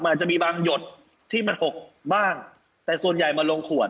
อาจจะมีบางหยดที่มันหกบ้างแต่ส่วนใหญ่มาลงขวด